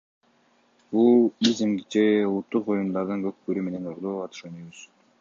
Биз эмгиче улуттук оюндардан көк бөрү менен ордо атыш ойнойбуз.